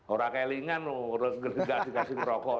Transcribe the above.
orang kayak lingan loh nggak dikasih merokok